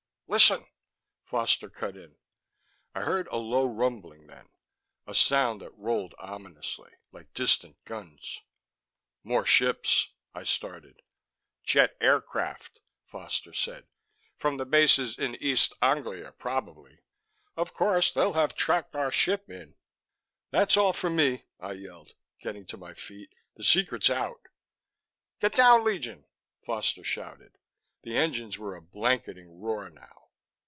"Listen!" Foster cut in. I heard a low rumbling then, a sound that rolled ominously, like distant guns. "More ships " I started. "Jet aircraft," Foster said. "From the bases in East Anglia probably. Of course, they'll have tracked our ship in " "That's all for me," I yelled, getting to my feet. "The secret's out " "Get down, Legion," Foster shouted. The engines were a blanketing roar now.